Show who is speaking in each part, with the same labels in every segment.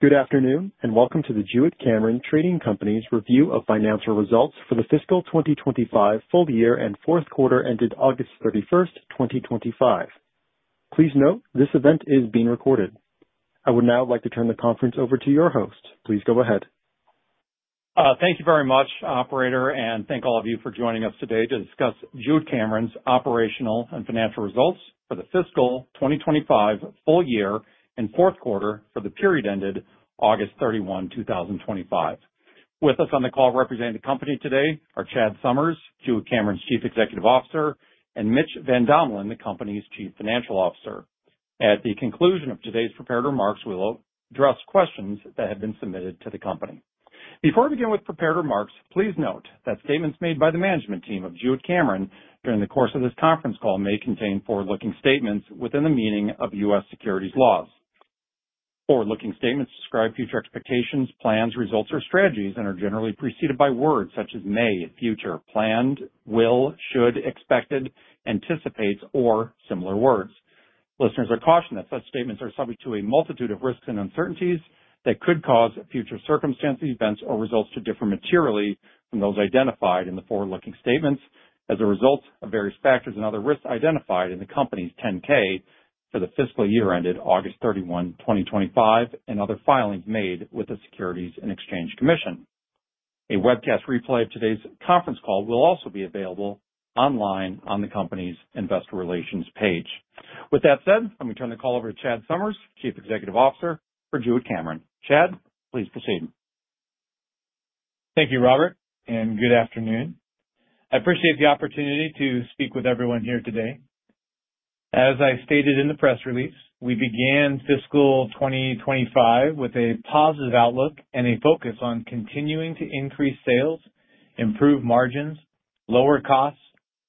Speaker 1: Good afternoon, and welcome to the Jewett-Cameron Trading Company's review of financial results for the Fiscal 2025 full year andQ4 ended August 31st, 2025. Please note, this event is being recorded. I would now like to turn the conference over to your host. Please go ahead.
Speaker 2: Thank you very much, Operator, and thank all of you for joining us today to discuss Jewett-Cameron's operational and financial results for the Fiscal 2025 full year and Q4 for the period ended August 31, 2025. With us on the call representing the company today are Chad Summers, Jewett-Cameron's Chief Executive Officer, and Mitch Van Domelen, the company's Chief Financial Officer. At the conclusion of today's prepared remarks, we'll address questions that have been submitted to the company. Before I begin with prepared remarks, please note that statements made by the management team of Jewett-Cameron during the course of this conference call may contain forward-looking statements within the meaning of U.S. securities laws. Forward-looking statements describe future expectations, plans, results, or strategies and are generally preceded by words such as may, future, planned, will, should, expected, anticipates, or similar words. Listeners are cautioned that such statements are subject to a multitude of risks and uncertainties that could cause future circumstances, events, or results to differ materially from those identified in the forward-looking statements as a result of various factors and other risks identified in the company's 10-K for the fiscal year ended August 31, 2025, and other filings made with the Securities and Exchange Commission. A webcast replay of today's conference call will also be available online on the company's investor relations page. With that said, let me turn the call over to Chad Summers, Chief Executive Officer for Jewett-Cameron. Chad, please proceed.
Speaker 3: Thank you, Robert, and good afternoon. I appreciate the opportunity to speak with everyone here today. As I stated in the press release, we began fiscal 2025 with a positive outlook and a focus on continuing to increase sales, improve margins, lower costs,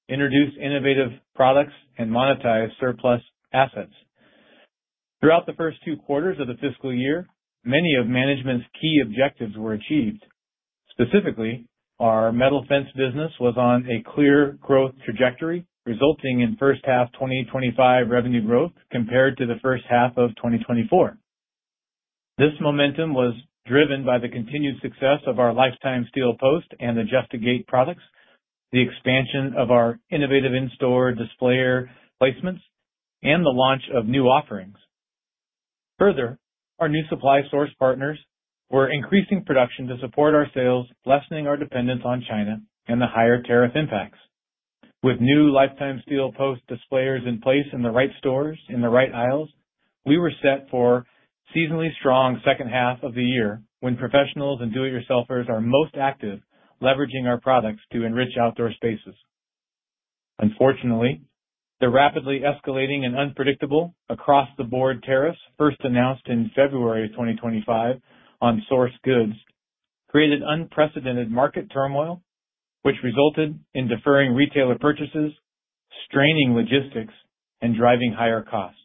Speaker 3: introduce innovative products, and monetize surplus assets. Throughout the first two quarters of the fiscal year, many of management's key objectives were achieved. Specifically, our metal fence business was on a clear growth trajectory, resulting in first half 2025 revenue growth compared to the first half of 2024. This momentum was driven by the continued success of our Lifetime Steel Post and the Adjust-A-Gate products, the expansion of our innovative in-store display placements, and the launch of new offerings. Further, our new supply source partners were increasing production to support our sales, lessening our dependence on China and the higher tariff impacts. With new Lifetime Steel Post displayers in place in the right stores in the right aisles, we were set for a seasonally strong second half of the year when professionals and do-it-yourselfers are most active leveraging our products to enrich outdoor spaces. Unfortunately, the rapidly escalating and unpredictable across-the-board tariffs, first announced in February 2025 on source goods, created unprecedented market turmoil, which resulted in deferring retailer purchases, straining logistics, and driving higher costs,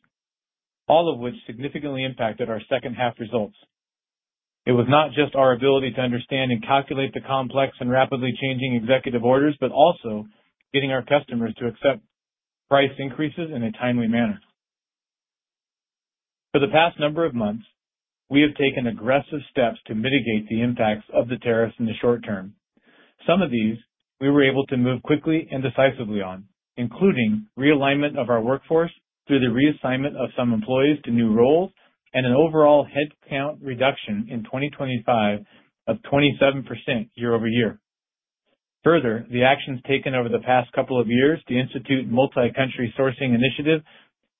Speaker 3: all of which significantly impacted our second half results. It was not just our ability to understand and calculate the complex and rapidly changing executive orders, but also getting our customers to accept price increases in a timely manner. For the past number of months, we have taken aggressive steps to mitigate the impacts of the tariffs in the short term. Some of these we were able to move quickly and decisively on, including realignment of our workforce through the reassignment of some employees to new roles and an overall headcount reduction in 2025 of 27% year over year. Further, the actions taken over the past couple of years, the instituted Multi-Country Sourcing Initiative,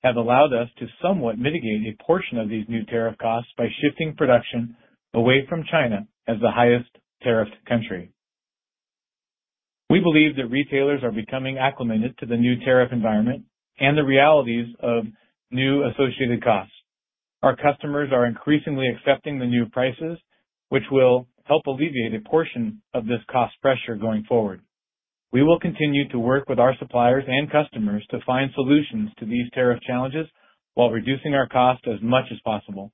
Speaker 3: have allowed us to somewhat mitigate a portion of these new tariff costs by shifting production away from China as the highest tariffed country. We believe that retailers are becoming acclimated to the new tariff environment and the realities of new associated costs. Our customers are increasingly accepting the new prices, which will help alleviate a portion of this cost pressure going forward. We will continue to work with our suppliers and customers to find solutions to these tariff challenges while reducing our cost as much as possible.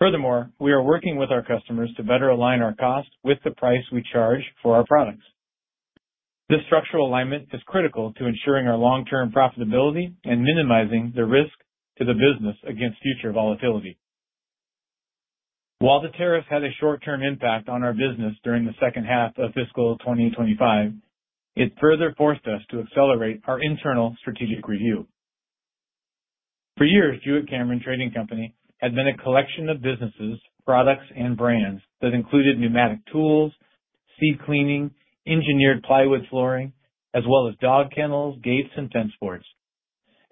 Speaker 3: Furthermore, we are working with our customers to better align our costs with the price we charge for our products. This structural alignment is critical to ensuring our long-term profitability and minimizing the risk to the business against future volatility. While the tariffs had a short-term impact on our business during the second half of Fiscal 2025, it further forced us to accelerate our internal strategic review. For years, Jewett-Cameron Trading Company had been a collection of businesses, products, and brands that included pneumatic tools, seed cleaning, engineered plywood flooring, as well as dog kennels, gates, and fence boards.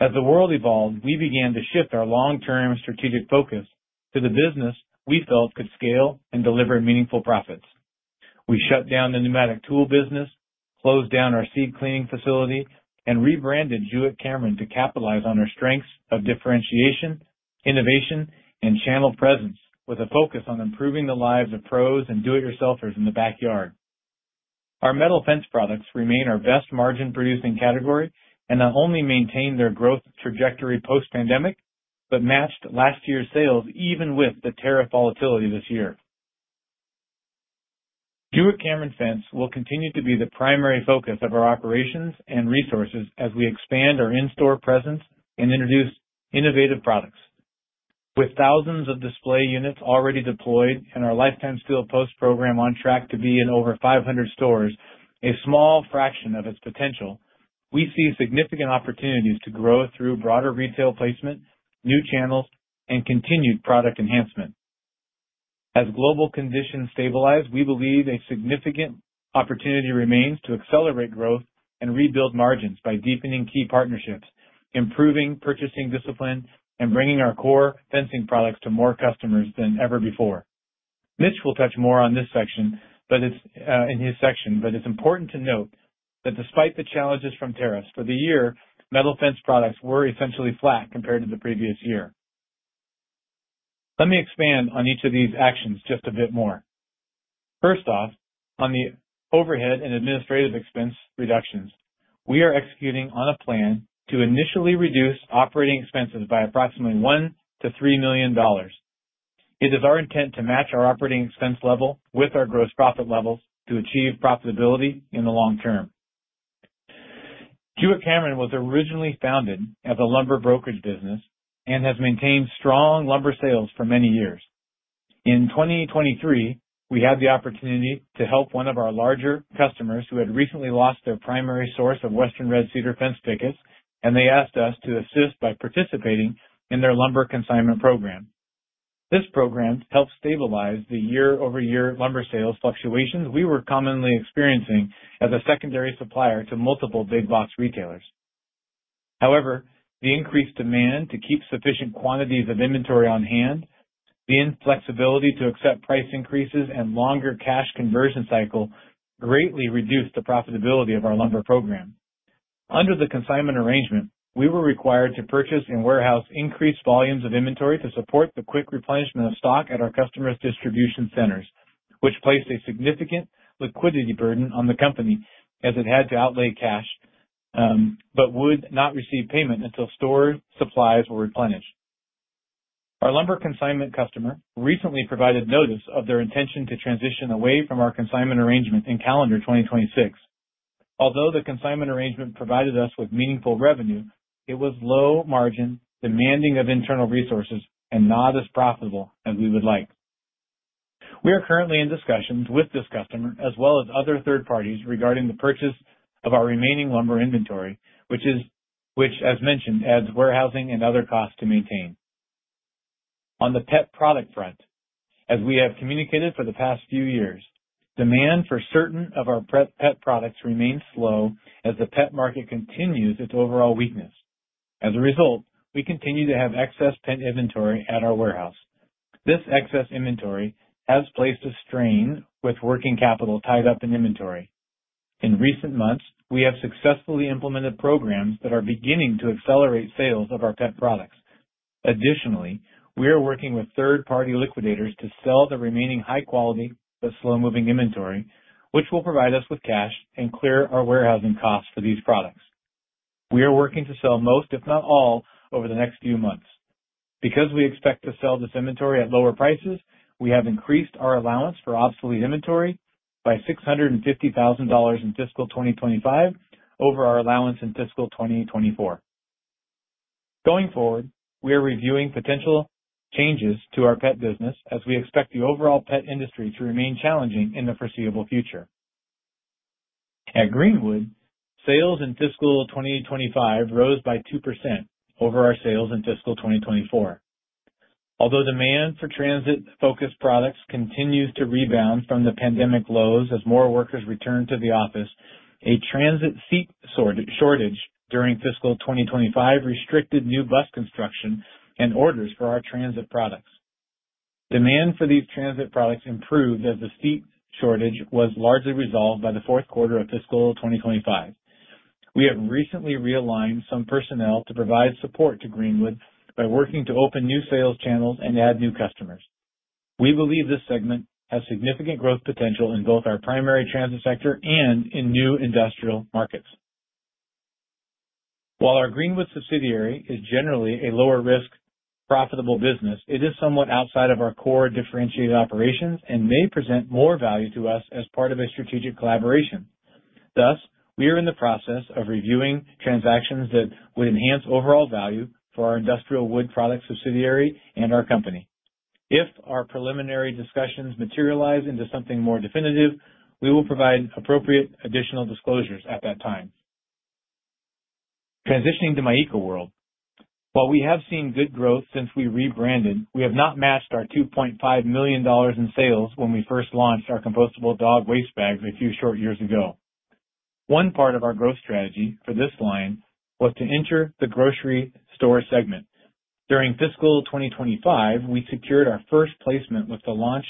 Speaker 3: As the world evolved, we began to shift our long-term strategic focus to the business we felt could scale and deliver meaningful profits. We shut down the pneumatic tool business, closed down our seed cleaning facility, and rebranded Jewett-Cameron to capitalize on our strengths of differentiation, innovation, and channel presence with a focus on improving the lives of pros and do-it-yourselfers in the backyard. Our metal fence products remain our best margin-producing category and not only maintained their growth trajectory post-pandemic, but matched last year's sales even with the tariff volatility this year. Jewett-Cameron Fence will continue to be the primary focus of our operations and resources as we expand our in-store presence and introduce innovative products. With thousands of display units already deployed and our Lifetime Steel Post program on track to be in over 500 stores, a small fraction of its potential, we see significant opportunities to grow through broader retail placement, new channels, and continued product enhancement. As global conditions stabilize, we believe a significant opportunity remains to accelerate growth and rebuild margins by deepening key partnerships, improving purchasing discipline, and bringing our core fencing products to more customers than ever before. Mitch will touch more on this section, but it's in his section, but it's important to note that despite the challenges from tariffs for the year, metal fence products were essentially flat compared to the previous year. Let me expand on each of these actions just a bit more. First off, on the overhead and administrative expense reductions, we are executing on a plan to initially reduce operating expenses by approximately $1-$3 million. It is our intent to match our operating expense level with our gross profit levels to achieve profitability in the long term. Jewett-Cameron was originally founded as a lumber brokerage business and has maintained strong lumber sales for many years. In 2023, we had the opportunity to help one of our larger customers who had recently lost their primary source of Western Red Cedar fence pickets, and they asked us to assist by participating in their lumber consignment program. This program helped stabilize the year-over-year lumber sales fluctuations we were commonly experiencing as a secondary supplier to multiple big-box retailers. However, the increased demand to keep sufficient quantities of inventory on hand, the inflexibility to accept price increases, and longer cash conversion cycle greatly reduced the profitability of our lumber program. Under the consignment arrangement, we were required to purchase and warehouse increased volumes of inventory to support the quick replenishment of stock at our customers' distribution centers, which placed a significant liquidity burden on the company as it had to outlay cash, but would not receive payment until store supplies were replenished. Our lumber consignment customer recently provided notice of their intention to transition away from our consignment arrangement in calendar 2026. Although the consignment arrangement provided us with meaningful revenue, it was low margin, demanding of internal resources, and not as profitable as we would like. We are currently in discussions with this customer as well as other third parties regarding the purchase of our remaining lumber inventory, which, as mentioned, adds warehousing and other costs to maintain. On the pet product front, as we have communicated for the past few years, demand for certain of our pet products remains slow as the pet market continues its overall weakness. As a result, we continue to have excess pet inventory at our warehouse. This excess inventory has placed a strain with working capital tied up in inventory. In recent months, we have successfully implemented programs that are beginning to accelerate sales of our pet products. Additionally, we are working with third-party liquidators to sell the remaining high-quality but slow-moving inventory, which will provide us with cash and clear our warehousing costs for these products. We are working to sell most, if not all, over the next few months. Because we expect to sell this inventory at lower prices, we have increased our allowance for obsolete inventory by $650,000 in fiscal 2025 over our allowance in fiscal 2024. Going forward, we are reviewing potential changes to our pet business as we expect the overall pet industry to remain challenging in the foreseeable future. At Greenwood, sales in fiscal 2025 rose by 2% over our sales in fiscal 2024. Although demand for transit-focused products continues to rebound from the pandemic lows as more workers returned to the office, a transit seat shortage during Fiscal 2025 restricted new bus construction and orders for our transit products. Demand for these transit products improved as the seat shortage was largely resolved by the fourth quarter of Fiscal 2025. We have recently realigned some personnel to provide support to Greenwood by working to open new sales channels and add new customers. We believe this segment has significant growth potential in both our primary transit sector and in new industrial markets. While our Greenwood subsidiary is generally a lower-risk, profitable business, it is somewhat outside of our core differentiated operations and may present more value to us as part of a strategic collaboration. Thus, we are in the process of reviewing transactions that would enhance overall value for our industrial wood product subsidiary and our company. If our preliminary discussions materialize into something more definitive, we will provide appropriate additional disclosures at that time. Transitioning to My Eco World, while we have seen good growth since we rebranded, we have not matched our $2.5 million in sales when we first launched our compostable dog waste bags a few short years ago. One part of our growth strategy for this line was to enter the grocery store segment. During fiscal 2025, we secured our first placement with the launch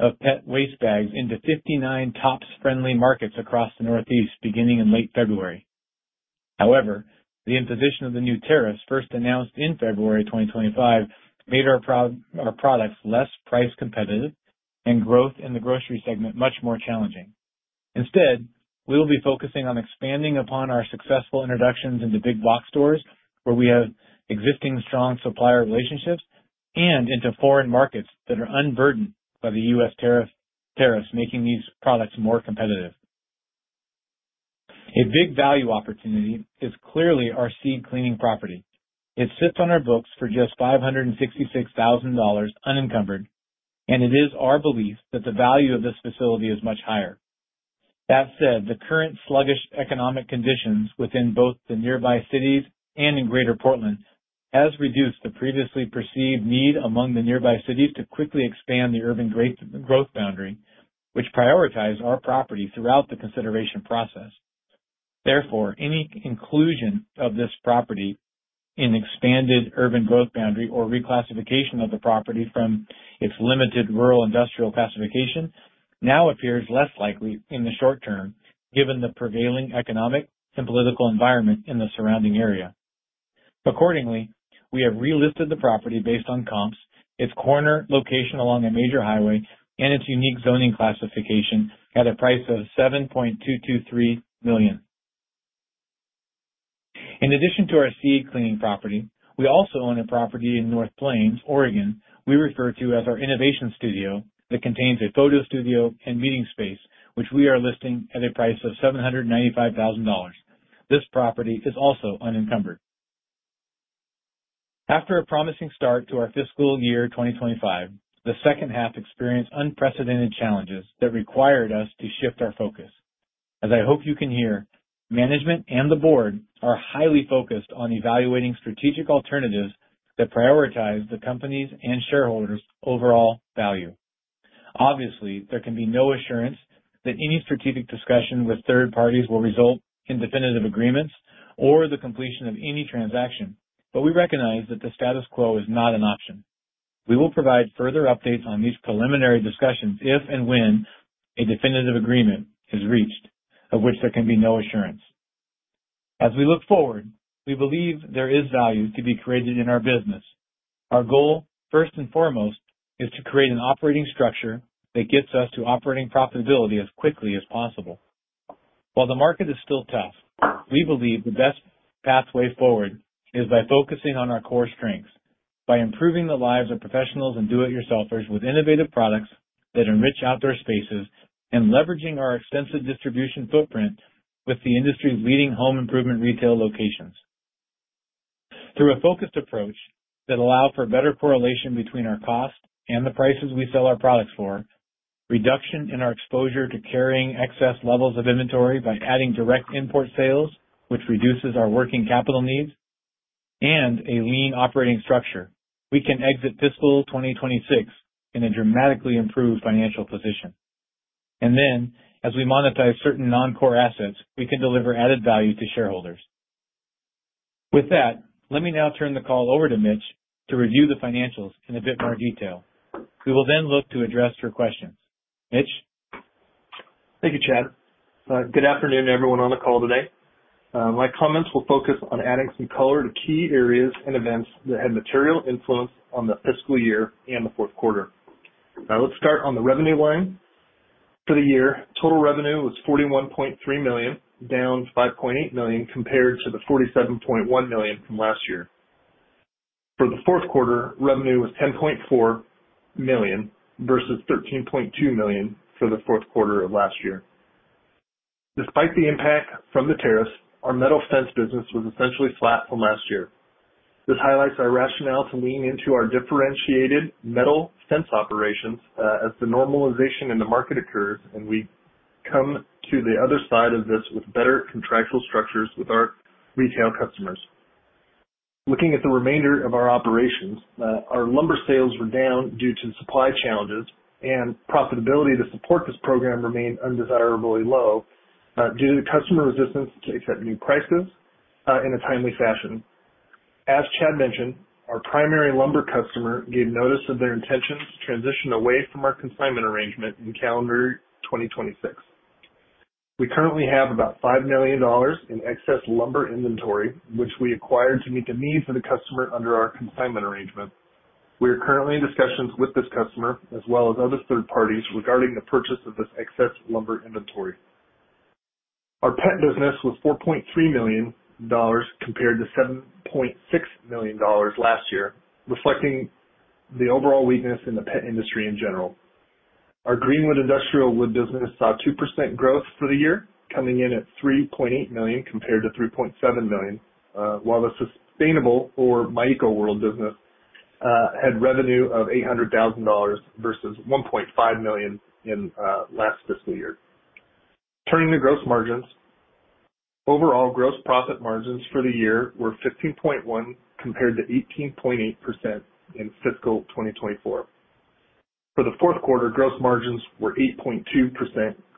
Speaker 3: of pet waste bags into 59 Tops Friendly Markets across the Northeast beginning in late February. However, the imposition of the new tariffs first announced in February 2025 made our products less price competitive and growth in the grocery segment much more challenging. Instead, we will be focusing on expanding upon our successful introductions into big-box stores where we have existing strong supplier relationships and into foreign markets that are unburdened by the U.S. tariffs, making these products more competitive. A big value opportunity is clearly our seed cleaning property. It sits on our books for just $566,000 unencumbered, and it is our belief that the value of this facility is much higher. That said, the current sluggish economic conditions within both the nearby cities and in Greater Portland has reduced the previously perceived need among the nearby cities to quickly expand the urban growth boundary, which prioritized our property throughout the consideration process. Therefore, any inclusion of this property in an expanded rban growth boundary or reclassification of the property from its limited rural industrial classification now appears less likely in the short term given the prevailing economic and political environment in the surrounding area. Accordingly, we have relisted the property based on comps, its corner location along a major highway, and its unique zoning classification at a price of $7.223 million. In addition to our seed cleaning property, we also own a property in North Plains, Oregon, we refer to as our innovation studio that contains a photo studio and meeting space, which we are listing at a price of $795,000. This property is also unencumbered. After a promising start to our fiscal year 2025, the second half experienced unprecedented challenges that required us to shift our focus. As I hope you can hear, management and the board are highly focused on evaluating strategic alternatives that prioritize the company's and shareholders' overall value. Obviously, there can be no assurance that any strategic discussion with third parties will result in definitive agreements or the completion of any transaction, but we recognize that the status quo is not an option. We will provide further updates on these preliminary discussions if and when a definitive agreement is reached, of which there can be no assurance. As we look forward, we believe there is value to be created in our business. Our goal, first and foremost, is to create an operating structure that gets us to operating profitability as quickly as possible. While the market is still tough, we believe the best pathway forward is by focusing on our core strengths, by improving the lives of professionals and do-it-yourselfers with innovative products that enrich outdoor spaces and leveraging our extensive distribution footprint with the industry's leading home improvement retail locations. Through a focused approach that allows for better correlation between our cost and the prices we sell our products for, reduction in our exposure to carrying excess levels of inventory by adding direct import sales, which reduces our working capital needs, and a lean operating structure, we can exit fiscal 2026 in a dramatically improved financial position, and then, as we monetize certain non-core assets, we can deliver added value to shareholders. With that, let me now turn the call over to Mitch to review the financials in a bit more detail. We will then look to address your questions. Mitch?
Speaker 4: Thank you, Chad. Good afternoon, everyone on the call today. My comments will focus on adding some color to key areas and events that had material influence on the fiscal year and the fourth quarter. Let's start on the revenue line. For the year, total revenue was $41.3 million, down $5.8 million compared to the $47.1 million from last year. For the Q4, revenue was $10.4 million versus $13.2 million for the Q4 of last year. Despite the impact from the tariffs, our metal fence business was essentially flat from last year. This highlights our rationale to lean into our differentiated metal fence operations as the normalization in the market occurs, and we come to the other side of this with better contractual structures with our retail customers. Looking at the remainder of our operations, our lumber sales were down due to supply challenges, and profitability to support this program remained undesirably low due to the customer resistance to accept new prices in a timely fashion. As Chad mentioned, our primary lumber customer gave notice of their intention to transition away from our consignment arrangement in calendar 2026. We currently have about $5 million in excess lumber inventory, which we acquired to meet the needs of the customer under our consignment arrangement. We are currently in discussions with this customer as well as other third parties regarding the purchase of this excess lumber inventory. Our pet business was $4.3 million compared to $7.6 million last year, reflecting the overall weakness in the pet industry in general. Our Greenwood industrial wood business saw 2% growth for the year, coming in at $3.8 million compared to $3.7 million, while the sustainable, or My Eco World business, had revenue of $800,000 versus $1.5 million in last fiscal year. Turning to gross margins, overall gross profit margins for the year were 15.1% compared to 18.8% in fiscal 2024. For the Q4, gross margins were 8.2%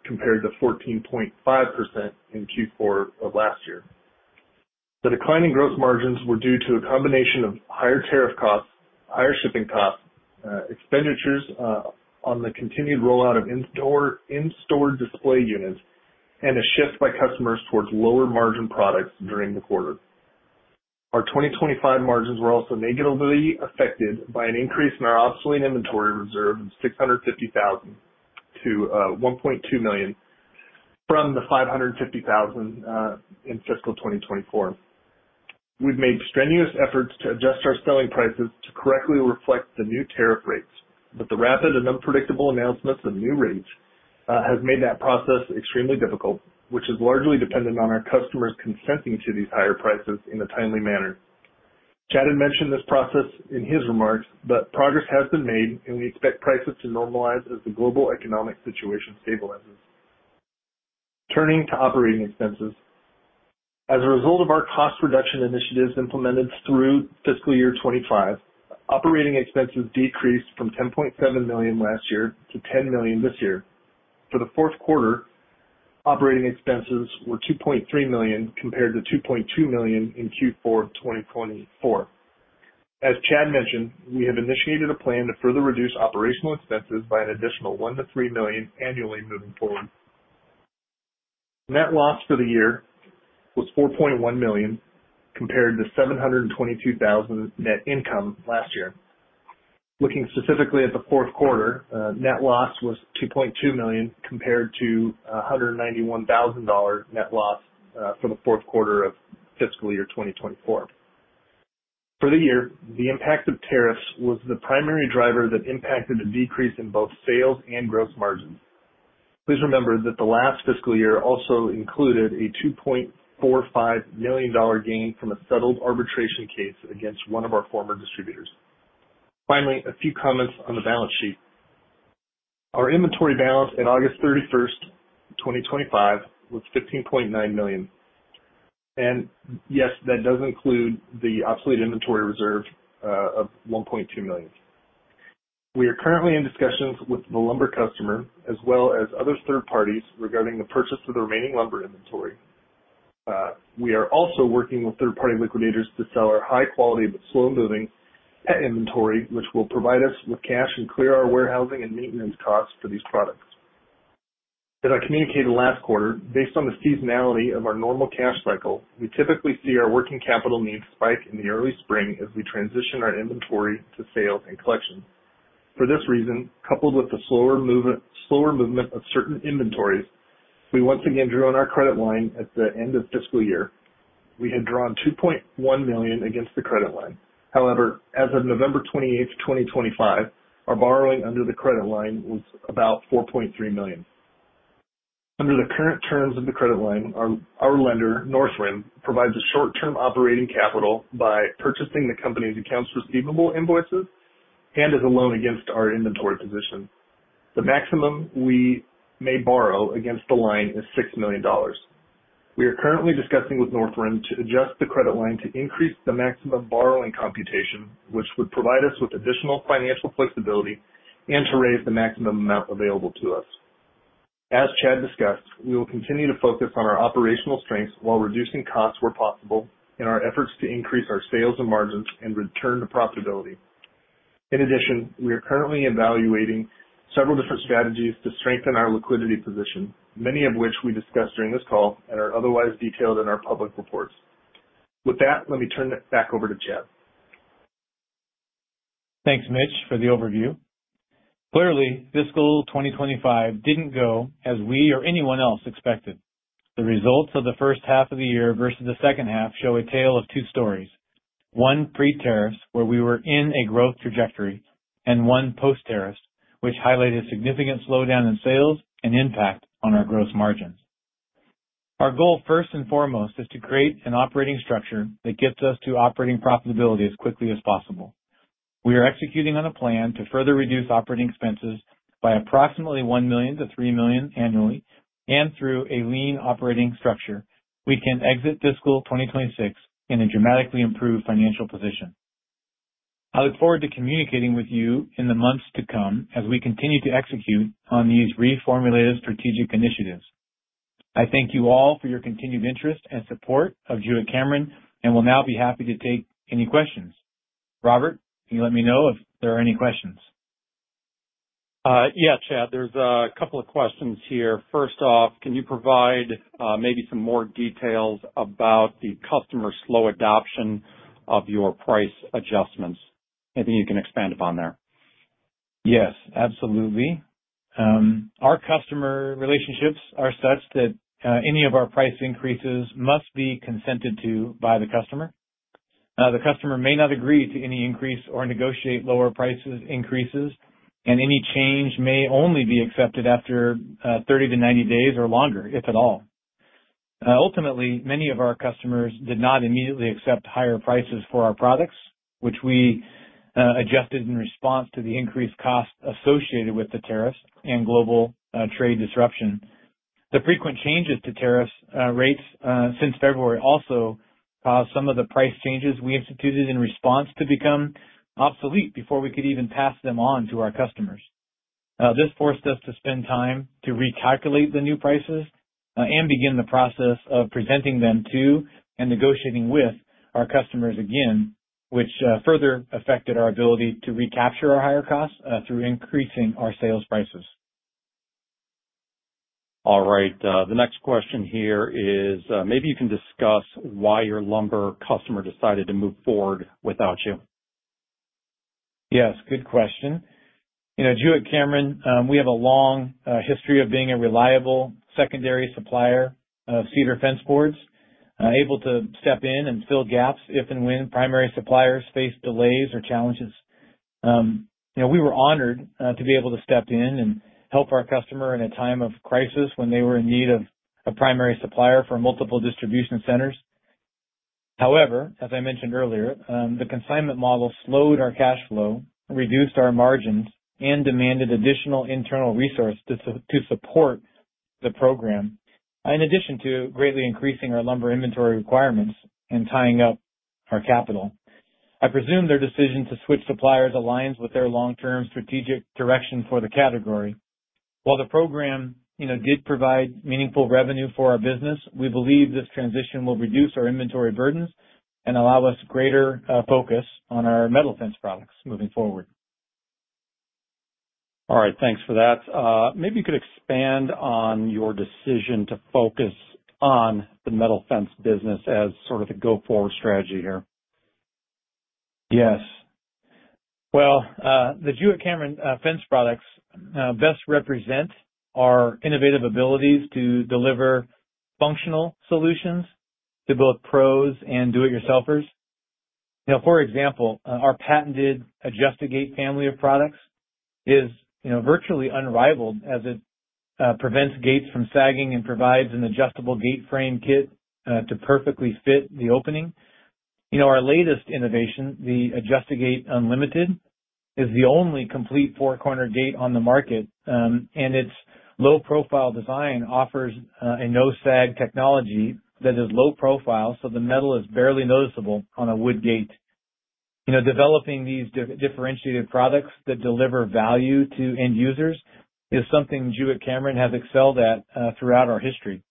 Speaker 4: compared to 14.5% in Q4 of last year. The declining gross margins were due to a combination of higher tariff costs, higher shipping costs, expenditures on the continued rollout of in-store display units, and a shift by customers towards lower margin products during the Q1. Our 2025 margins were also negatively affected by an increase in our obsolete inventory reserve of $650,000 to $1.2 million from the $550,000 in fiscal 2024. We've made strenuous efforts to adjust our selling prices to correctly reflect the new tariff rates, but the rapid and unpredictable announcements of new rates have made that process extremely difficult, which is largely dependent on our customers consenting to these higher prices in a timely manner. Chad had mentioned this process in his remarks, but progress has been made, and we expect prices to normalize as the global economic situation stabilizes. Turning to operating expenses, as a result of our cost reduction initiatives implemented through fiscal year 2025, operating expenses decreased from $10.7 million last year to $10 million this year. For the Q4, operating expenses were $2.3 million compared to $2.2 million in Q4 2024. As Chad mentioned, we have initiated a plan to further reduce operational expenses by an additional $1-$3 million annually moving forward. Net loss for the year was $4.1 million compared to $722,000 net income last year. Looking specifically at the fourth quarter, net loss was $2.2 million compared to $191,000 net loss for the fourth quarter of fiscal year 2024. For the year, the impact of tariffs was the primary driver that impacted a decrease in both sales and gross margins. Please remember that the last fiscal year also included a $2.45 million gain from a settled arbitration case against one of our former distributors. Finally, a few comments on the balance sheet. Our inventory balance at August 31st, 2025, was $15.9 million, and yes, that does include the obsolete inventory reserve of $1.2 million. We are currently in discussions with the lumber customer as well as other third parties regarding the purchase of the remaining lumber inventory. We are also working with third-party liquidators to sell our high-quality but slow-moving pet inventory, which will provide us with cash and clear our warehousing and maintenance costs for these products. As I communicated last quarter, based on the seasonality of our normal cash cycle, we typically see our working capital needs spike in the early spring as we transition our inventory to sales and collection. For this reason, coupled with the slower movement of certain inventories, we once again drew on our credit line at the end of fiscal year. We had drawn $2.1 million against the credit line. However, as of November 28th, 2025, our borrowing under the credit line was about $4.3 million. Under the current terms of the credit line, our lender, North Mill Capital, provides a short-term operating capital by purchasing the company's accounts receivable invoices and as a loan against our inventory position. The maximum we may borrow against the line is $6 million. We are currently discussing with North Mill Capital to adjust the credit line to increase the maximum borrowing computation, which would provide us with additional financial flexibility and to raise the maximum amount available to us. As Chad discussed, we will continue to focus on our operational strengths while reducing costs where possible in our efforts to increase our sales and margins and return to profitability. In addition, we are currently evaluating several different strategies to strengthen our liquidity position, many of which we discussed during this call and are otherwise detailed in our public reports. With that, let me turn it back over to Chad.
Speaker 3: Thanks, Mitch, for the overview. Clearly, Fiscal 2025 didn't go as we or anyone else expected. The results of the first half of the year versus the second half show a tale of two stories: one pre-tariffs, where we were in a growth trajectory, and one post-tariffs, which highlighted a significant slowdown in sales and impact on our gross margins. Our goal, first and foremost, is to create an operating structure that gets us to operating profitability as quickly as possible. We are executing on a plan to further reduce operating expenses by approximately $1 million-$3 million annually and through a lean operating structure. We can exit fiscal 2026 in a dramatically improved financial position. I look forward to communicating with you in the months to come as we continue to execute on these reformulated strategic initiatives. I thank you all for your continued interest and support of Jewett-Cameron and will now be happy to take any questions. Robert, can you let me know if there are any questions?
Speaker 2: Yeah, Chad, there's a couple of questions here. First off, can you provide maybe some more details about the customer slow adoption of your price adjustments? Anything you can expand upon there?
Speaker 3: Yes, absolutely. Our customer relationships are such that any of our price increases must be consented to by the customer. The customer may not agree to any increase or negotiate lower price increases, and any change may only be accepted after 30-90 days or longer, if at all. Ultimately, many of our customers did not immediately accept higher prices for our products, which we adjusted in response to the increased cost associated with the tariffs and global trade disruption. The frequent changes to tariff rates since February also caused some of the price changes we instituted in response to become obsolete before we could even pass them on to our customers. This forced us to spend time to recalculate the new prices and begin the process of presenting them to and negotiating with our customers again, which further affected our ability to recapture our higher costs through increasing our sales prices.
Speaker 2: All right. The next question here is, maybe you can discuss why your lumber customer decided to move forward without you.
Speaker 3: Yes, good question. You know, Jewett-Cameron, we have a long history of being a reliable secondary supplier of cedar fence boards, able to step in and fill gaps if and when primary suppliers face delays or challenges. You know, we were honored to be able to step in and help our customer in a time of crisis when they were in need of a primary supplier for multiple distribution centers. However, as I mentioned earlier, the consignment model slowed our cash flow, reduced our margins, and demanded additional internal resources to support the program, in addition to greatly increasing our lumber inventory requirements and tying up our capital. I presume their decision to switch suppliers aligns with their long-term strategic direction for the category. While the program, you know, did provide meaningful revenue for our business, we believe this transition will reduce our inventory burdens and allow us greater focus on our metal fence products moving forward.
Speaker 2: All right, thanks for that. Maybe you could expand on your decision to focus on the metal fence business as sort of the go-forward strategy here.
Speaker 3: Yes. The Jewett-Cameron Fence products best represent our innovative abilities to deliver functional solutions to both pros and do-it-yourselfers. You know, for example, our patented Adjust-A-Gate family of products is, you know, virtually unrivaled as it prevents gates from sagging and provides an adjustable gate frame kit to perfectly fit the opening. You know, our latest innovation, the Adjust-A-Gate Ultimate, is the only complete four-corner gate on the market, and its low-profile design offers a no-sag technology that is low profile, so the metal is barely noticeable on a wood gate. You know, developing these differentiated products that deliver value to end users is something Jewett-Cameron has excelled at throughout our history.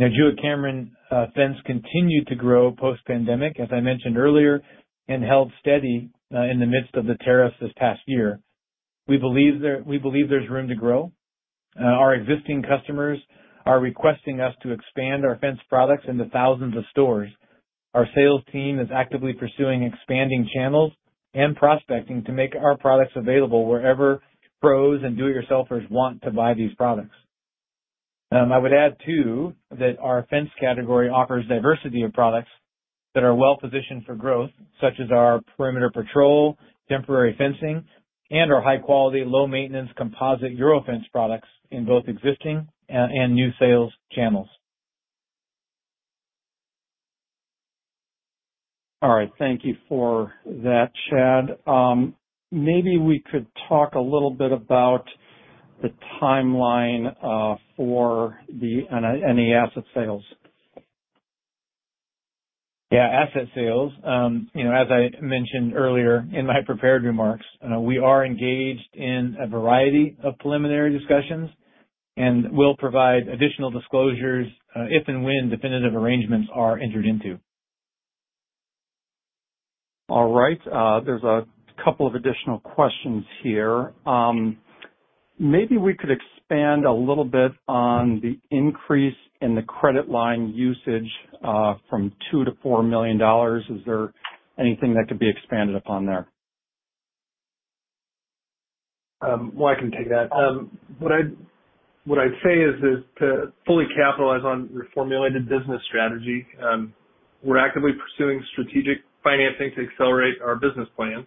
Speaker 3: Now, Jewett-Cameron Fence continued to grow post-pandemic, as I mentioned earlier, and held steady in the midst of the tariffs this past year. We believe there's room to grow. Our existing customers are requesting us to expand our fence products into thousands of stores. Our sales team is actively pursuing expanding channels and prospecting to make our products available wherever pros and do-it-yourselfers want to buy these products. I would add, too, that our fence category offers diversity of products that are well-positioned for growth, such as our Perimeter Patrol, temporary fencing, and our high-quality, low-maintenance composite Euro Fence products in both existing and new sales channels.
Speaker 2: All right, thank you for that, Chad. Maybe we could talk a little bit about the timeline for the any asset sales.
Speaker 3: Yeah, asset sales. You know, as I mentioned earlier in my prepared remarks, we are engaged in a variety of preliminary discussions and will provide additional disclosures if and when definitive arrangements are entered into.
Speaker 2: All right. There's a couple of additional questions here. Maybe we could expand a little bit on the increase in the credit line usage from $2 million-$4 million. Is there anything that could be expanded upon there?
Speaker 3: Well, I can take that. What I'd say is to fully capitalize on your formulated business strategy. We're actively pursuing strategic financing to accelerate our business plan,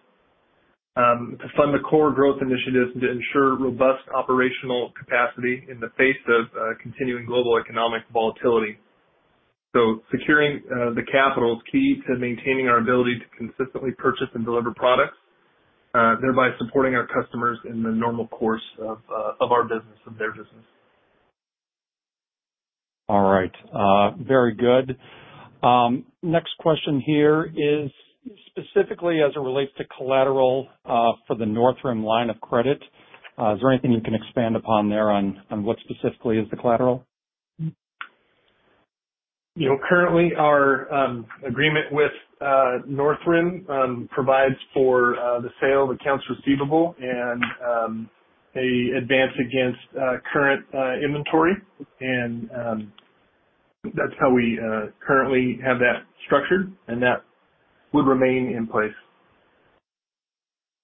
Speaker 3: to fund the core growth initiatives, and to ensure robust operational capacity in the face of continuing global economic volatility. So securing the capital is key to maintaining our ability to consistently purchase and deliver products, thereby supporting our customers in the normal course of our business and their business. All right. Very good. Next question here is specifically as it relates to collateral for the Northwind line of credit. Is there anything you can expand upon there on what specifically is the collateral? You know, currently, our agreement with Northwind provides for the sale of accounts receivable and an advance against current inventory, and that's how we currently have that structured, and that would remain in place.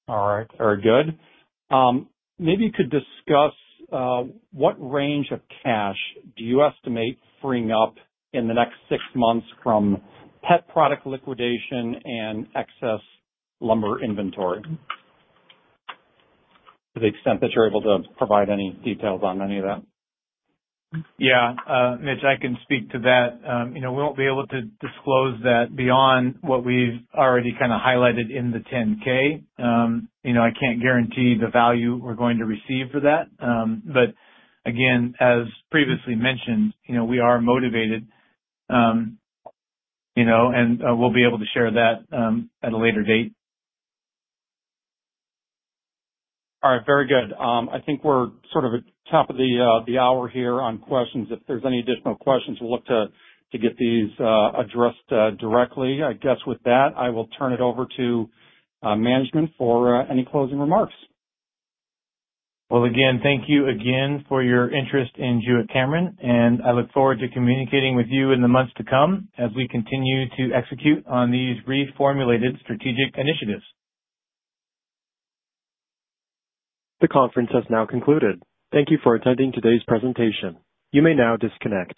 Speaker 4: All right. Very good. Maybe you could discuss what range of cash do you estimate freeing up in the next six months from pet product liquidation and excess lumber inventory? To the extent that you're able to provide any details on any of that.
Speaker 3: Yeah, Mitch, I can speak to that. You know, we won't be able to disclose that beyond what we've already kind of highlighted in the 10-K. You know, I can't guarantee the value we're going to receive for that, but again, as previously mentioned, you know, we are motivated, you know, and we'll be able to share that at a later date.
Speaker 2: All right. Very good. I think we're sort of at the top of the hour here on questions. If there's any additional questions, we'll look to get these addressed directly. I guess with that, I will turn it over to management for any closing remarks.
Speaker 1: Well, again, thank you again for your interest in Jewett-Cameron, and I look forward to communicating with you in the months to come as we continue to execute on these reformulated strategic initiatives. The conference has now concluded. Thank you for attending today's presentation. You may now disconnect.